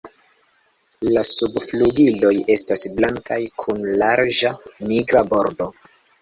La subflugiloj estas blankaj kun larĝa nigra bordo.